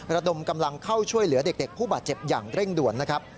ระดมกำลังเข้าช่วยเหลือเด็กผู้บาดเจ็บอย่างเร่งด่วนนะครับ